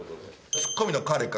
ツッコミの彼か。